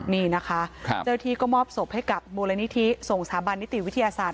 นี่นะคะเจ้าที่ก็มอบศพให้กับมูลนิธิส่งสถาบันนิติวิทยาศาสต